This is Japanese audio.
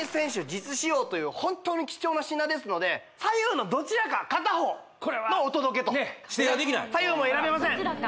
実使用という本当に貴重な品ですので左右のどちらか片方のお届けと指定はできない左右も選べません